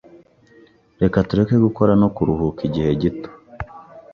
Reka tureke gukora no kuruhuka igihe gito.